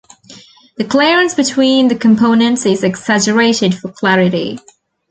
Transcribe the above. The clearance between the components is exaggerated for clarity.